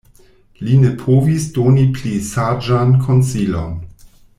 Li ne povis doni pli saĝan konsilon.